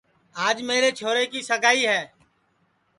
آج میرے چھورے کی سگائی ہے